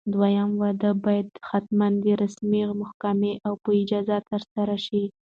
دویم واده باید حتماً د رسمي محکمې په اجازه ترسره شي.